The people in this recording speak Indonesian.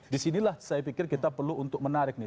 disinilah saya pikir kita perlu untuk menarik nih